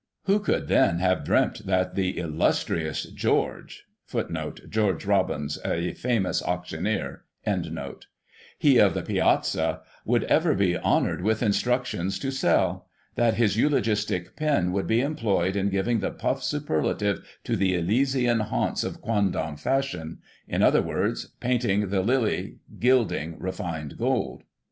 Who would tken have dreamt that the illustrious Georget — he of the Piazza — ^would ever be 'honoured with instructions to sell '? that his eulogistic pen would be employed in giving the puff superlative to the Elysian haunts of quondam fashion — in other words — ^painting the lily gilding refined gold?